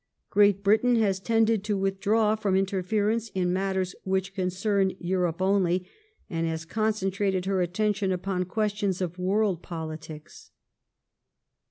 Great Britain has tended to withdraw from interference in mattei s which concern Europe only, and has concentrated her attention upon questions of world politics.